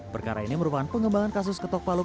perkara ini merupakan pengembangan kasus ketok paluk